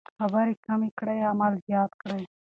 خبرې کمې کړئ عمل زیات کړئ.